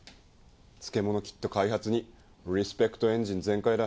漬物キット開発にリスペクトエンジン全開だ。